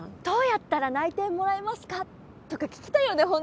「どうやったら内定もらえますか？」とか聞きたいよね